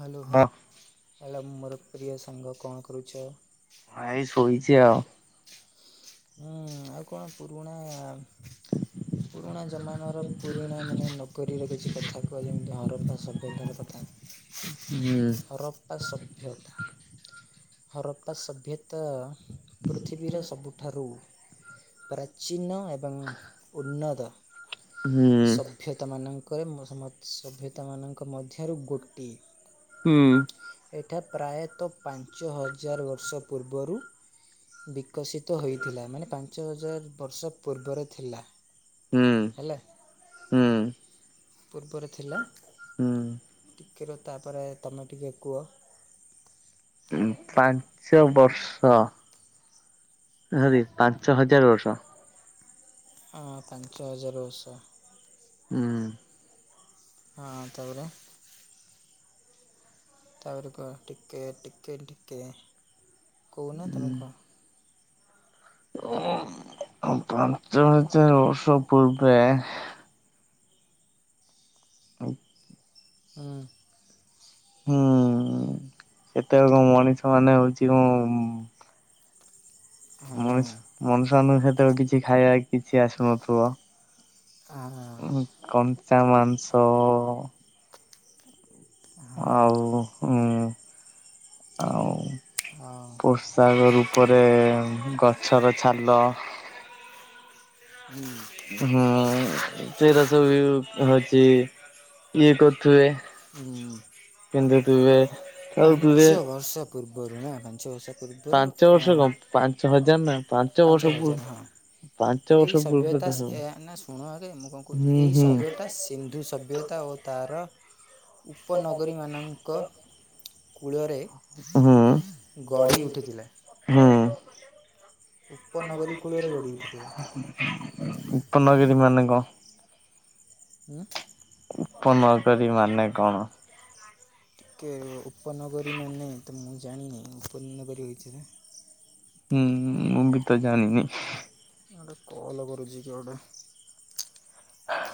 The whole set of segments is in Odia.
ହାଲୋ ହାଲୋ ହାଲ ମୋର ପ୍ରିୟ ସାଙ୍ଗ କଁ କରୁଚ? ଭାଇ ଶୋଇଚି ଆଉ। ହୁଁ ଆଉ କଣ ପୁରୁଣା ପୁରୁଣା ଜମାନର ପୁରୁଣା ମାନେ ନକରୀର କିଛି କଥା କୁହ ଯେମିତି ହରପା ସଭ୍ୟତାର କଥା। ହୁଁ। ହରପ୍ପା ସଭ୍ୟତା ହରପ୍ପା ସଭ୍ୟତା ପୃଥିବୀର ସବୁଠାରୁ ପ୍ରାଚୀନ ଏ ଏବଂ ଉନ୍ନତ ସ ସଭ୍ୟତାମାନଙ୍କରେ ମୋସ ସଭ୍ୟତାମାନଙ୍କ ମଧ୍ୟରୁ ଗୋଟିଏ। ହଁ। ଏଠା ପ୍ରାୟତଃ ପାଞ୍ଚ ହଜାର ବର୍ଷ ପୂର୍ବରୁ ବିକଶି ତ ହୋଇଥିଲା ମାନେ ପାଞ୍ଚ ହଜାର ବର୍ଷ ପୂର୍ବରେ ଥିଲା ହେଲା। ହଁ। ପୂର୍ବରେ ଥିଲା ଟିକେ ର ତାପରେ ତୁମେ ଟିକେ କୁହ। ମ ପାଞ୍ଚ ବର୍ଷ? ହରି ପାଞ୍ଚ ହଜାର ବର୍ଷ। ଅଁ ପାଞ୍ଚ ହଜାର ବର୍ଷ। ହଁ। ହଁ ତାପରେ। ତାପରେ କହ ଟିକେ ଟିକେ ଟିକେ କହୁନା ତମେ କୁହ। ପାଞ୍ଚ ହଜାର ବର୍ଷ ପୂର୍ବେ ହଁ। ହଁ ସେତେବେଳେକୁ ମଣିଷ ମାନେ ହଉଛି ଉଁ ମଣିଷ ମଣିଷମାନଙ୍କୁ ସେତେବେଳେ କିଛି ଖାଇବା କିଛି ଆସୁନଥିବ। କଞ୍ଚା ମାଂସ ହଁ। ଆଉ ଉଁ ଆଉ ପୋଷାକ ରୂପରେ ଗଛର ଛାଲ ହଁ। ହଁ ସେଗୁରା ସବୁ ୟୁ ହଉଛି। ହଁ ପାଞ୍ଚ ବର୍ଷ ପୂର୍ବରୁ ନା ପାଞ୍ଚ ବର୍ଷ ପୂର୍ବରୁଅଁ ପାଞ୍ଚ ହଜାର ହଁ। ଏଇ ସଭ୍ୟତା ସ ନା ଶୁଣ ଆଗେ ମୁଁ କଣ କହୁଛି ଏଇ ସଭ୍ୟତା ସିନ୍ଧୁ ସଭ୍ୟ ତା ଓ ତାର ଉପନଗରୀମାନଙ୍କ କୂଳରେ ଉଁ ହଁ। ଉପନଗରୀ କୂଳରେ ଗଢ଼ି ଉଠିଥିଲା। ଉପନଗରୀ ମାନେ କଣ? ଉଁ ଉପନଗରୀ ମାନେ କଣ? ଟିକେ ଉପନଗରୀ ମାନେ ତ ମୁଁ ଜାଣିନି ଉପନଗରୀ ହୋଇଛି ନା ଉଁ ହଁ ମୁଁ ବି ତ ଜାଣିନି। ଗୋଟେ କଲ କରୁଛି କିଏ ଗୋଟେ? ଆଃ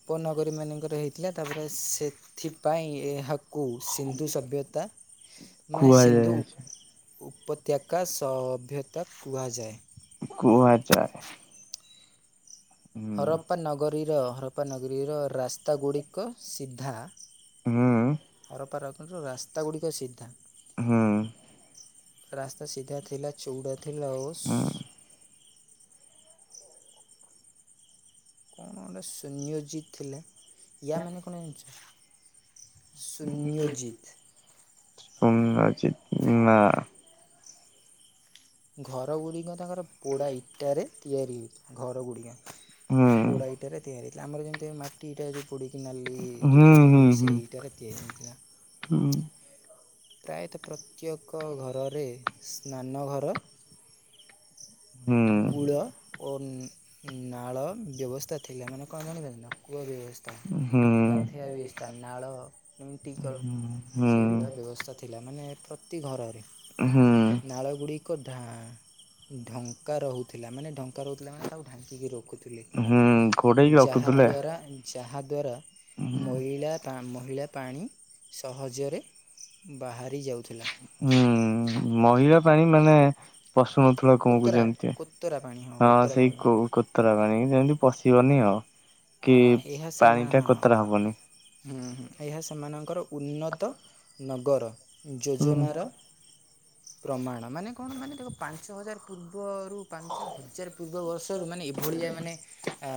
ଉପନଗରୀ ମାନଙ୍କରେ ହେଇଥିଲା ତାପରେ ସେଥିପାଇଁ ଏହା କୁ ସିନ୍ଧୁ ସଭ୍ୟତା ମାନେ ସିନ୍ଧୁ ଉପତ୍ୟକା ସଭ୍ୟତା କୁହାଯାଏ। କୁହାଯାଏ। ହରପ୍ପା ନଗରୀର, ହରପ୍ପା ନଗରୀର ରାସ୍ତା ଗୁଡ଼ିକ ସିଧା। ହରପାର [unintelligible] ରାସ୍ତା ଗୁଡ଼ିକ ସିଧା। ରାସ୍ତା ସିଧା ଥିଲା, ଚଉଡ଼ା ଥିଲା ଓସ୍ କଣ ଗୋଟେ ସୈନ୍ୟଜିତ୍ ଥିଲେ ୟା ମାନେ କଣ ଜାଣିଛ? ଉମ୍ ଆଜି ନା ଘର ଗୁଡ଼ିକ ତାଙ୍କର ପୋଡ଼ା ଇଟାରେ ତିଆରି, ଘର ଗୁଡ଼ିକ ପୋଡା ଇଟାରେ ତିଆରି ହେଇଥିଲା, ଆମର ଯେମିତି ମାଟି ଇଟା ଯ ପୋଡି ନାଲି ଯୋଉ କହୁଛନ୍ତି ନା ସେଇ ଇଟାରେ ତିଆରି ହେଇଥିଲା। ହୁଁ। ପ୍ରାୟତଃ ପ୍ରତ୍ୟେକ ଘରରେ ସ୍ନାନ ଘର କୂଳ ଓ ନାଳ ବ୍ୟବସ୍ଥା ଥିଲା ମାନେ କଣ ଜାଣିପାରଲ ନା କୂଳ ବ୍ୟବସ୍ଥା। ଗାଧେଇବା ବ୍ୟବସ୍ଥା ନାଳ ଟିକଲ ସେଗୁରା ବ୍ୟବସ୍ଥା ଥିଲା ମାନେ ପ୍ରତି ଘରରେ, ନାଳ ଗୁଡିକ ଧା ଢ ଙ୍କା ରହୁଥିଲା ମାନେ ଢ଼ଙ୍କା ରହୁଥିଲା ମାନେ ତାକୁ ଢାଙ୍କିକି ରହୁ କୁଥିଲେ ଯାହା ଦ୍ଵାରା ଯାହାଦ୍ୱାରା ମଇଳା ମହିଳା ପାଣି ସହଜରେ ବାହାରି ଯାଉଥିଲା। ହୁଁ ମହିଳା ପାଣି ମାନେ ପଶୁନଥିଲା କହୁଚନ୍ତି ହଁ ସେଇ କଉ କ କତରା ପାଣିକି ଯେମିତି ପଶିବନି ଆଉ କି ପାଣି ଟା କୋତରା ହବନି। ହୁଁ ହୁଁ ଏହା ସେମାନଙ୍କର ଉନ୍ନତ ନଗର। ଯୋଜନାର ପ୍ରମାଣ ମାନେ କଣ ମାନେ ଦେଖ ପାଞ୍ଚ ହଜାର ପୂର୍ବରୁ ପାଞ୍ଚ ହଜାର ପୂର୍ବ ବର୍ଷରୁ ମାନେ ଏଭଳିଆ ମାନେ ଆ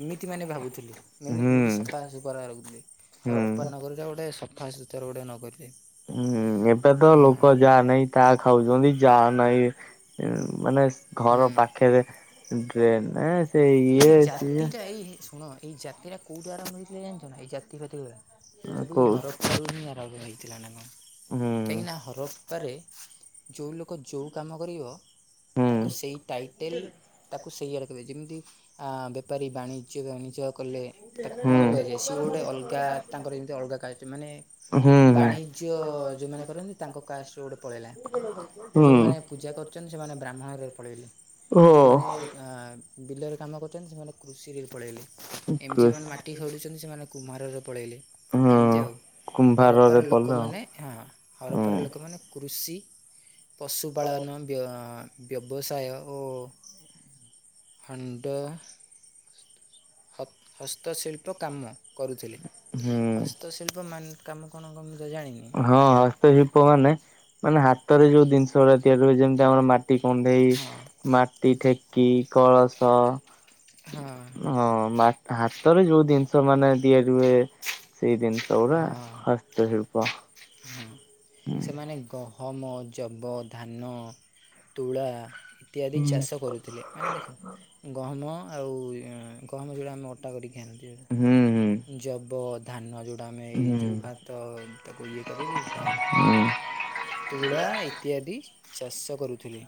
ଏମି ମାନେ ଭାବୁଥିଲି ମାନେ ଏମିତି ସପା [unintelligible] ରଖୁଥିଲେ ହରପ୍ପା ନଗରୀଟା ଗୋଟେ ସଫାସୁତୁରା ଗୋଟେ ନଗରି ଟେ। ହୁଁ, ଏବେ ତ ଲୋକ ଯା ନାହିଁ ତାହା ଖାଉଛନ୍ତି ଯା ନାହିଁ ମାନେ ଘର ପାଖରେ ଡ୍ରେନ୍ ସେ ଇଏ ସିଏ ଏଇ ଶୁଣ ଏଇ ଜାତିଟା କୋଉଠୁ ଆରମ୍ଭ ହୋଇଥିଲା ଜାଣିଛ ନା ଏଇ ଜାତି ଫାତି ଗୁରା ସବୁ ଏଇ ହର ପରୁହିଁ ଆରମ୍ଭ ହେଇଥିଲା ନା କ କାହିଁକିନା ହରପାରେ ଯୋଉ ଲୋକ ଯୋଉ କାମ କରିବ ତାକୁ ସେଇ ଟାଇଟେଲ ତାକୁ ସେଇଆଡ଼େ ଦେବେ ଯେମିତି ଆ ବେ ପାରି ବାଣିଜ୍ୟ ବାଣିଜ୍ୟ କଲେ। ତାକୁ କଣ କୁହାଯାଏ, ସିଏ ଗୋଟେ ଅଲଗା ତାଙ୍କର ଯେମିତି ଅଲଗା କାଷ୍ଟେ ମାନେ ହୁଁ ହୁଁ। ଯ୍ୟ ଯଉମାନେ କରନ୍ତି ତାଙ୍କ କାଷ୍ଟ ଗୋଟେ ପଳେଇଲା। ଯୋଉମାନେ ପୂଜା କରୁଛନ୍ତି ସେମାନେ ବ୍ରାହ୍ମଣ ପଳେଇଲେ, ଯୋଉମାନେ ବିଲରେ କାମ କରୁଛନ୍ତି ସେମାନେ କୃଷି ରେ ପଳେଇଲେ। ଏମିତି ମାନେ ମାଟି ଖଡୁଛନ୍ତି ସେମାନେ କୁମ୍ମାରରେ ପଳେଇଲେ। ଏମତି ଆଉ ହରପ୍ପାର ଲୋକମାନେ ହଁ ହରପ୍ପାର ଲୋକମାନେ କୃଷି ପଶୁପାଳନ ବ୍ୟ ବ୍ୟବସାୟ ଓ ହଣ୍ଡ ହ ହସ୍ତଶିଳ୍ପ କାମ କରୁଥିଲେ, ହସ୍ତଶିଳ୍ପ ମାନେ କାମ କଣ କ ମୁଁ ତ ଜାଣିନି। ହଁ ହସ୍ତଶିଳ୍ପ ମାନେ ମାନେ ହାତରେ ଯୋଉ ଜିନିଷ ଗୁଡା ତିଆରି ହୁଏ, ଯେମିତି ଆମର ମାଟି କୁଣ୍ଢେଇ ମାଟି ଠେ କି କଳସ ହଁ ମାଟ ହାତରେ ଯୋଉ ଜିନିଷ ମାନେ ତିଆରି ହୁଏ ସେଇ ଜିନିଷ ଗୁଡା ହସ୍ତଶିଳ୍ପ ହଁ ସେମାନେ ଗହ ହମ ଜବ ଧାନ ତୁଳା ଇତ୍ୟାଦି ଚାଷ କରୁଥିଲେ ମାନେ ଦେଖ ଗହମ ଆଉ ଗହମ ଯୋଉ ଆମେ ଅଟା କରିକି ଖାଆନ୍ତି ହୁଁ ଜବ ଧାନ ଯେଉଁଟା ଆମେ ଏଇ ଯେଉଁ ଭାତ ତାକୁ ଇଏ କରିକି ଖାଆନ୍ତି ତୁଳା ଇତ୍ୟାଦି ଚାଷ କରୁ ଥିଲି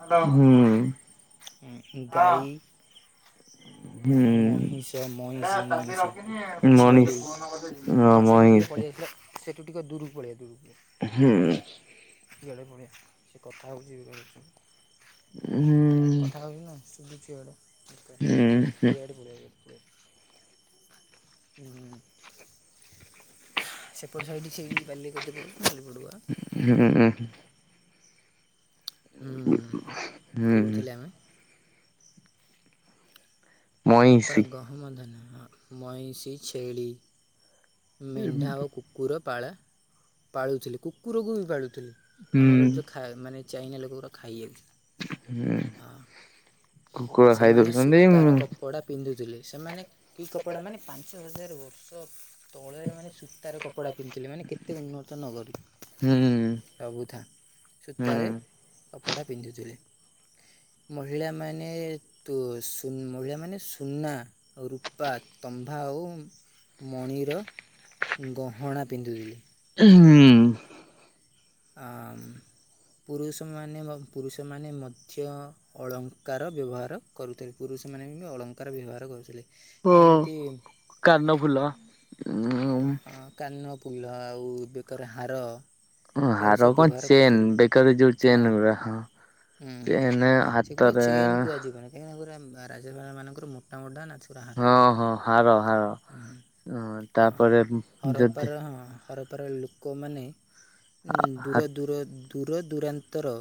ଗାଈ ମହିଷ ମଇଁଷି ମଇଁଷି ଛେଳି ହଁ ସେଠୁ ଟିକେ ପଳେଇ ଆସିଲ ସେଠୁ ଟିକେ ଦୂରୁକୁ ପଳେଇଆ ଦୂରୁକୁ ହୁଁ ଇଆଡ଼େ ପଳିଆ ଟିକେ କଥା ହେଉଛି କଥା ହେଉଛି ନା ଇଆଡ଼େ ପଳେଇଆ ଇଆଡ଼େ ପଳେଇଆ ହଁ ସେପଟ ସାଇଟି ସେଇ ବାଲି କେତେ ବ ଖାଲି ପଡ଼ିବା କରି ହୁଁ କୋଉଠି ଥିଲେ ଆମେ ଅର ପାରେ ଗହମ ଧାନ ମଇଁଷି ଛେଳି ମେଣ୍ଢା ଓ କୁକୁର ପାଳା ପାଳୁଥିଲି କୁକୁରକୁ ବିି ପାଳୁଥିଲି ଆମର ଯୋଉ ଖା ମାନେ ଚାଇନା ଲୋକଗୁରା ଖାଇଯାଉଛନ୍ତି ହୁଁ କୁକୁର ଖାଇଦଉଛନ୍ତି କପଡ଼ା ପିନ୍ଧୁଥିଲେ ସେମାନେ କି କପଡ଼ା ମାନେ ପାଞ୍ଚ ହଜାର ବର୍ଷ କଳରେ ମାନେ ସୂତାର କପଡ଼ା ପିନ୍ଧିଲେ ମାନେ କେତେ ଉନ୍ନତ ନଗରୀ ଭାବୁଥାଏ ସୂତାରେ କପଡ଼ା ପିନ୍ଧୁଥିଲେ ମହିଳା ମାନେ ତୁ ସୁ ମହିଳା ମାନେ ସୁନା ରୂପା ତମ୍ଭା ଆଉ ମଣିର ଗହଣା ପିନ୍ଧୁଥିଲେ ହୁଁ ଆମ ପୁରୁଷମାନେ ପୁରୁଷମାନେ ମଧ୍ୟ ଅଳଙ୍କାର ବ୍ୟବହାର କରୁଥିଲେ ପୁରୁଷମାନେ ବି ଅଳଙ୍କାର ବ୍ୟବହାର କରୁଥିଲେ ଏମିତି କାନ ଫୁଲ ହଁ କାନଫୁଲ ଆଉ ବେକର ହାର ଏ ସେଗୁରା ସବୁ ବ୍ୟବହାର କରୁଥିଲେ ହଁ ଉଁ ହୁଁ ସେଗୁରାକୁ ଚେନ୍ କୁହାଯିବନି କାହିଁକିନା ସେଗୁରା ବାରାଜା ମାନଙ୍କର ମୁ ରାମୁଡା ନାଚୁକୁରା ହାର କହିବେ ହଁ ହରପାର ହଁ ହରପାର ଲୋକମାନେ ଉଁ ଦୂର ଦୂର ଦୂରଦୂରାନ୍ତର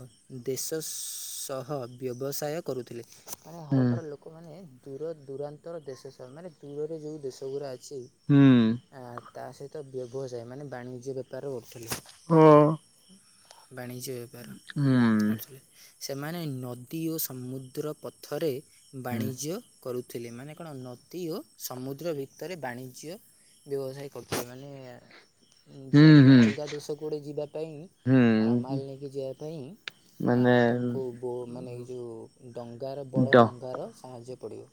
ଦେଶ ସହ ବ୍ୟବସାୟ କରୁଥିଲେ ମାନେ ହରପା ଲୋକମାନେ ଦୂର ଦୂରାନ୍ତର ଦେଶ ସହ ମାନେ ଦୂରରେ ଯେଉଁ ଦେଶ ଗୁଡ଼ା ଅଛି ହୁଁ ଆ ତା ସହିତ ବ୍ୟବସାୟ ମାନେ ବାଣିଜ୍ୟ ବେପାର କରୁଥିଲେ ହଁ ବାଣିଜ୍ୟ ବେପାର କରୁଥିଲେ, ସେମାନେ ନଦୀ ଓ ସମୁଦ୍ର ପଥରେ ବାଣିଜ୍ୟ କରୁ ଥିଲେ, ମାନେ କଣ? ନଦୀ ଓ ସମୁଦ୍ର ଭିତରେ ବାଣିଜ୍ୟ ବ୍ୟବସାୟୀ କରୁଥିଲେ, ମାନେ ଉଁ ସିଏ ଭାବିଲେ ଅଲଗା ଦେଶକୁ କୋଉଠିକି ଯିବା ପାଇଁ, ଆ ମାଲ ନେଇକି ଯିବା ପାଇଁ ଆ ତମକୁ ବୋ ମାନେ ଏଇ ଯୋଉ ଡଙ୍ଗାର, ବଡ଼ ଡଙ୍ଗାର ସାହାଯ୍ୟ ପଡ଼ିବ।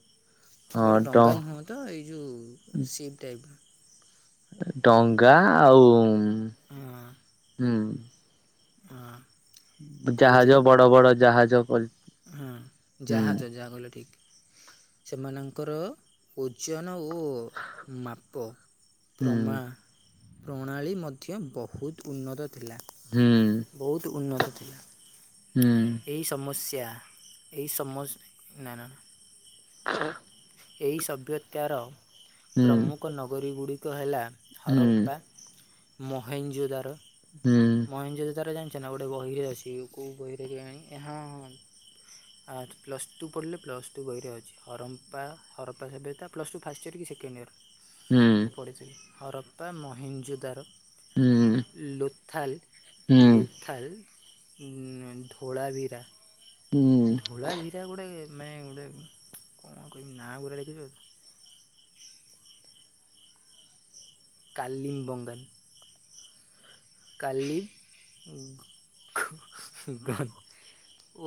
ବଡ ଡଙ୍ଗା ନୁହଁ ତ, ଏଇ ଯଉ ସିପ ଟାଇପ୍ ଡଙ୍ଗା ଆଉ, ହୁଁ। ହଁ। ଜାହାଜ, ବଡ ବଡ ଜାହାଜ ପରି। ହଁ ଜାହାଜ, ଯାହା କହିଲ ଠିକ୍, ସେମାନଙ୍କର ଓଜନ ଓ ମାପ ପ୍ରମା ପ୍ରଣାଳୀ ମଧ୍ୟ ବହୁତ ଉନ୍ନତ ଥିଲା। ବୋହୁତ ଉନ୍ନତ ଥିଲା। ହୁଁ। ଏଇ ସମସ୍ୟା, ଏଇ ସମସ ନା ନା ଏହି ସଭ୍ୟତାର ପ୍ରମୁଖ ନଗରୀ ଗୁଡ଼ିକ ହେଲା, ହରପ୍ପା, ମହେନ ଜୁଦାର ହୁଁ। ମହେନଜୁଦାର ଜାଣିଚନା? ଗୋଟେ ବହିରେ ଅଛି, କୋଉ ବହିରେ କେଆଣି, ଏହଁ ହଁହଁ। ଆ ପ୍ଲସ୍ ଟୁ ପଢ଼ିଲେ, ପ୍ଲସ୍ ଟୁ ବହିରେ ଅଛି, ହରମ୍ପା ହରପା ସଭ୍ୟତା, ପ୍ଲସ୍ ଟୁ ଫାଷ୍ଟେ ଇୟର୍ କି ସେକେଣ୍ଡ ଇୟର୍? ହୁଁ। ପଢ଼ିଚି, ହରପ୍ପା ମହେନଜୁଦାର ଲୋଥାଲ୍। ଲୋଥାଲ, ଉଁ ଥୋଳାବିରା ଧୋଳା ଭିରା ଗୋଡେ, ନାଇଁ ମାନେ ଗୋଡେ କଣ କହିବି ନାଁ ଗୁରେ [unintelligible] କାଲିମ ବଂଙ୍ଗାଲ୍। କାଲି [unintelligible] ଓ।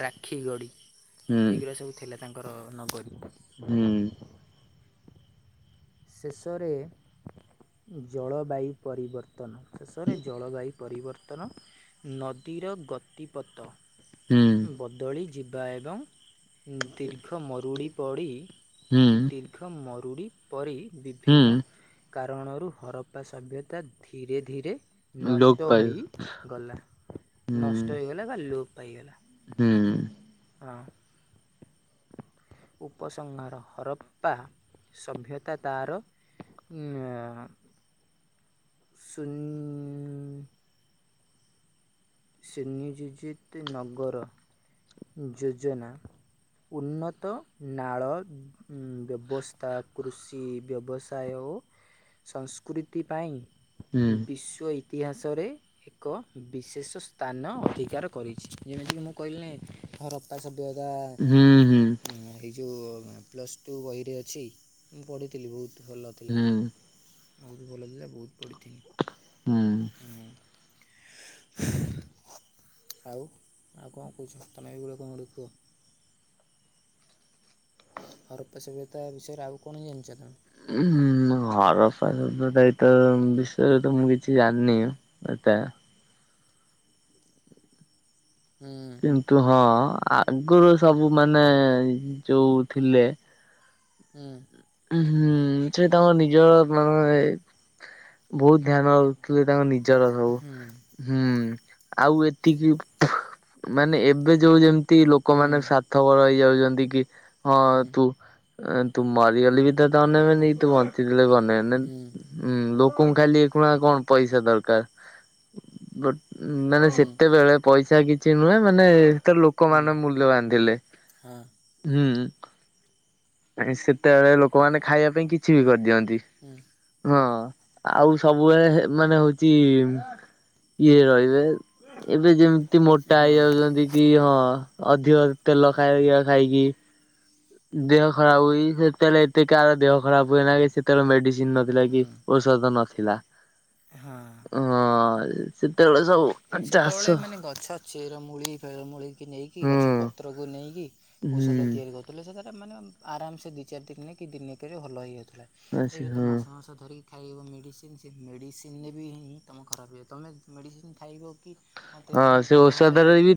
ରାକ୍ଷୀ ଗଡ଼ି, ଏଗୁରା ସବୁ ଥିଲା ତାଙ୍କର ନଗରୀ। ହୁଁ। ଶେଷରେ ଜଳବାୟୁ ପରିବର୍ତ୍ତନ, ଶେଷରେ ଜଳବାୟୁ ପରିବର୍ତ୍ତନ। ନଦୀର ଗତିପତ ହୁଁ। ବଦଳିଯିବା ଏବଂ ଦୀର୍ଘ ମରୁଡ଼ି ପଡ଼ି ଦି ଦୀର୍ଘ ମରୁଡ଼ି ପରି, ବିଭିନ୍ନ କାରଣରୁ ହରପା ସଭ୍ୟତା ଧୀରେ ଧୀରେ ନଷ୍ଟ ହୋଇ ଗଲା, ନଷ୍ଟ ହେଇଗଲା ବା ଲୋପ୍ ପାଇଗଲା। ହୁଁ। ହଁ। ଉପସଙ୍ଘାର ହରପ୍ପା ସଭ୍ୟତା ତାର ଉଁ ଆ ଶୂନ [unintelligible] ନଗର ଯୋଜନା। ଉନ୍ନତ ନାଳ ଉଁ ବ୍ୟବସ୍ଥା କୃଷି ବ୍ୟବସାୟ ଓ ସଂସ୍କୃତି ପାଇଁ ବିଶ୍ୱ ଇତିହାସରେ ଏକ ବିଶେଷ ସ ସ୍ଥାନ ଅଧିକାର କରିଛି ଯେମିତିକି ମୁଁ କହିଲିନି ହରପ୍ପା ସଭ୍ୟତା ହୁଁ ହୁଁ। ହୁଁ ଏଇ ଯୋଉ ପ୍ଲସ୍ ଟୁ ବହିରେ ଅଛି ମୁଁ ପଢ଼ିଥିଲି ବହୁତ୍ ଭଲଥିଲା ଆହୁରି ଭଲ ଥିଲା ବହୁତ୍ ପଢ଼ିଥିଲି। ହଉଁ [inaudible] ଆଉ ଆଉ କଣ କହୁଛ ତମେ ଏବେ ଗୋଟେ କଣ ଗୋଟେ କୁହ? [unintelligible] ହରପା ସଭ୍ୟତା ବିଷୟରେ ଆଉ କଣ ଜାଣିଚ ତମେ? ଘରଫା ସଭ୍ୟତା ଏତ ବିଷୟରେ ତ ମୁଁ କିଛି ଜାଣିନି ଏଟା ହୁଁ। କିନ୍ତୁ ହଁ ଅଗରୁ ସବୁ ମାନେ ଯୋଉ ଥିଲେ ହୁଁ ଉ ହୁଁ ସେ ତମ ନିଜ ମାମାହଏ ବହୁତ୍ ଧ୍ୟାନ ହଉଥିଲେ ତାଙ୍କ ନିଜର ସବୁ। ହୁଁ ଆଉ ଏତିକି ମାନେ ଏବେ ଯୋଉ ଯେମି ତି ଲୋକମାନେ ସ୍ୱାର୍ଥପର ହେଇ ଯାଉଛନ୍ତି କି ହଁ ତୁ ତୁ ମର୍। ରିଅଲି ବି ତତେ ଅନେଇବେନି କି ତୁ ବଞ୍ଚିଥିଲେ ବି ଅନେଇବେନି ଦେନ୍ ହୁଁ ଲୋକଙ୍କୁ ଖାଲି ଏକୁଣା କଣ ପଇସା ଦରକାର ବଟ୍ ଉ ମାନେ ସେତେବେଳେ ପଇସା କିଛି ନୁହେଁ ମାନେ ତ ଲୋକମାନୋନ ମୂଲ୍ୟ ବାନ୍ ଥିଲେ। ହଁ। ହୁଁ। ନାଇଁ ସେତେବେଳେ ଲୋକମାନେ ଖାଇବା ପାଇଁ କିଛି ବି କରିଦିଅନ୍ତି। ହଁ ଆଉ ସବୁବେଳେ ମାନେ ହଉଛି ଇଏ ରହିବେ ଏବେ ଯେମିତି ମୋଟା ହେଇଯାଉଛନ୍ତି କି ହଁ ଅଧିକ ତେଲ ଖାଇବା ଖାଇକି ଦେହ ଖରାପ ହୁଇ ସେତେବେଳେ ଏତେକହାର ଦେହ ଖରାପ ହୁଏ ନା କି ସେତେବେଳେ ମେଡିସିନ୍ ନଥିଲା କି ଓଷ୍ ଔଷଧ ନଥିଲା ତ ହଁ। ହଁ ସେତେବେଳେ ସବୁ ସେତେବେଳେ ମାନେ ଗଛ ଚେର ମୂଳି ଫେର ମୂଳିକି ନେଇକି ଗଛ ପତ୍ରକୁ ନେଇକି ଔଷଧ ତିଆରି କରୁଥିଲେ ସେତେରେ ମାନେ ଆରାମସେ ଦି ଚାରି ଦିନି କି ଦିନି କରେ ଭଲ ହେଇଯାଉଥିଲା। ଏବେ ତ ମାସ ମାସ ଧରି ଖାଇବ ମେଡ଼ିସିନ୍ ସେ ମେଡ଼ିସିନ୍ ରେ ବି ତମ ଖରାପ୍ ହେଇିବ ତମେ ମେଡ଼ିସିନ୍ ଖାଇବ କି ହଁ ତେ ତମ ଦେହ ଭଲ ହେଇ ଯିବ କିି?